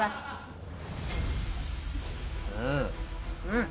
「うん！